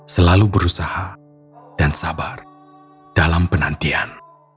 selalu berusaha dan sabar dalam penantian